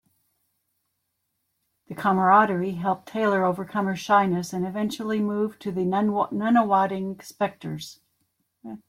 The camaraderie helped Taylor overcome her shyness, and eventually move to the Nunawading Spectres.